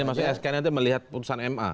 jadi maksudnya sk itu melihat putusan ma